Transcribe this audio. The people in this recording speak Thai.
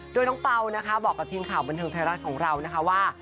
โดยน้องเปล่านะคะบอกกับทีมข่าวบันเทิงไทยรัฐของเรานะคะว่า